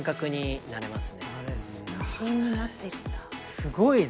すごいね。